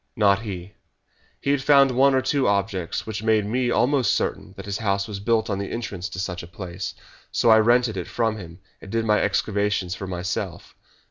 "Not he. He had found one or two objects which made me almost certain that his house was built on the entrance to such a place. So I rented it from him, and did my excavations for myself.